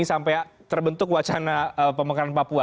sampai terbentuk wacana pemekaran papua